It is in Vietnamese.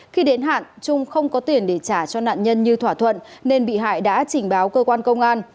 khi đến hạn trung không có tiền để trả cho nạn nhân như thỏa thuận nên bị hại đã trình báo cơ quan công an